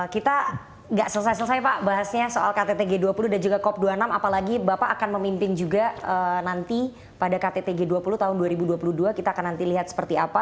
kita nggak selesai selesai pak bahasnya soal ktt g dua puluh dan juga cop dua puluh enam apalagi bapak akan memimpin juga nanti pada ktt g dua puluh tahun dua ribu dua puluh dua kita akan nanti lihat seperti apa